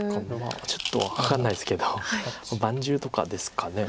ちょっと分かんないですけど盤１０とかですかね。